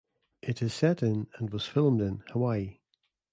It is set in and was filmed in Hawaii.